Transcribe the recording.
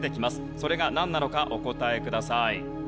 それがなんなのかお答えください。